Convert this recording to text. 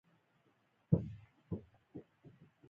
لمسی د شیدو خوند پیژني.